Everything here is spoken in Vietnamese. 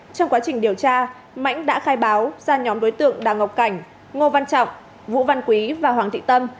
trong quá trình điều tra mãnh đã khai báo ra nhóm đối tượng đào ngọc cảnh ngô văn trọng vũ văn quý và hoàng thị tâm